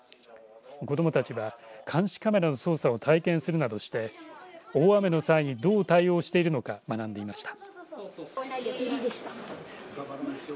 子どもたちは監視カメラの操作を体験するなどして大雨の際にどう対応しているのか学んでいました。